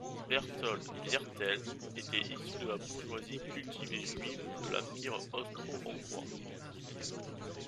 Berthold Viertel était issu de la bourgeoisie cultivée juive de l'Empire austro-hongrois.